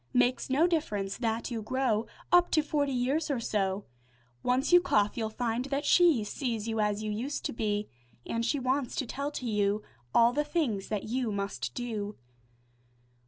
Makes no difference that you grow Up to forty years or so, Once you cough, you'll find that she Sees you as you used to be, An' she wants to tell to you All the things that you must do.